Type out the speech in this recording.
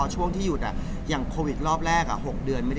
ใช่แน่นอนครับแน่นอน